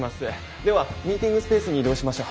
ではミーティングスペースに移動しましょう。